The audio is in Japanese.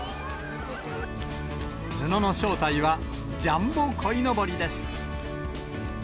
布の正体はジャンボこいのぼりです。